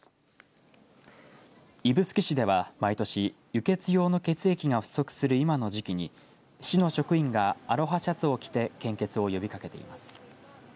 指宿市では毎年輸血用の血液が不足する今の時期に市の職員がアロハシャツを着て献血を呼びかけています。